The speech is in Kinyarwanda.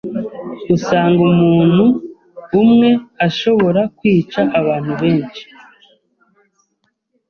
usanga umunu umwe ashobora kwica abantu benshi